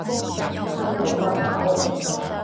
襯你個頭